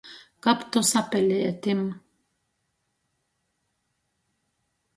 Kab tu sapelietim!